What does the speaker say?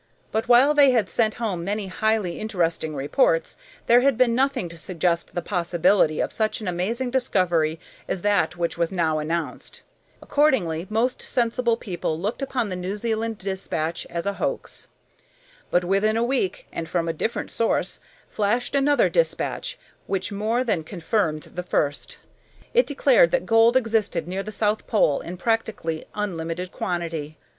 But while they had sent home many highly interesting reports, there had been nothing to suggest the possibility of such an amazing discovery as that which was now announced. Accordingly, most sensible people looked upon the New Zealand despatch as a hoax. But within a week, and from a different source, flashed another despatch which more than confirmed the first. It declared that gold existed near the south pole in practically unlimited quantity.